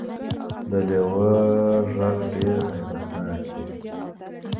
د لیوه غږ ډیر هیبت ناک وي